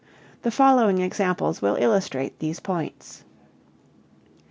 The following examples will illustrate these points.